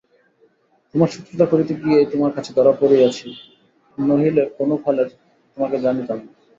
তোমার শত্রুতা করিতে গিয়াই তোমার কাছে ধরা পড়িয়াছি, নহিলে কোনোকালে তোমাকে জানিতাম না।